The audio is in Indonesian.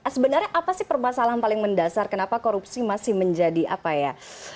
sebenarnya apa sih permasalahan paling mendasar kenapa korupsi masih menjadi apa ya